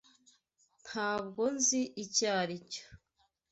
Ntabwo nzi icyo aricyo.